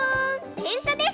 でんしゃです！